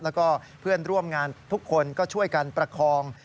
แล้วก็เพื่อนร่วมงานทุกคนก็ช่วยกันประคอง